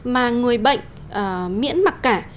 mà người bệnh miễn mặc cả